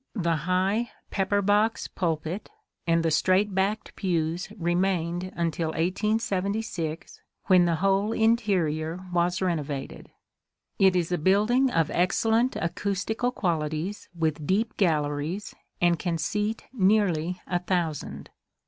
The high ^' pepper box " pulpit and the straight backed pews remained until 1876, when the whole interior was renovated. It is a building of excellent acoustical quali ties with deep galleries, and can seat nearly a thousand.